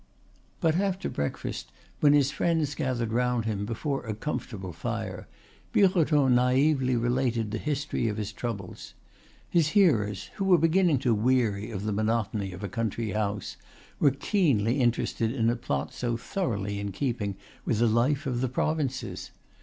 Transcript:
But after breakfast, when his friends gathered round him before a comfortable fire, Birotteau naively related the history of his troubles. His hearers, who were beginning to weary of the monotony of a country house, were keenly interested in a plot so thoroughly in keeping with the life of the provinces.